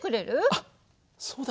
あっそうだよね。